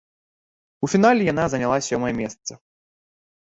У фінале яна заняла сёмае месца.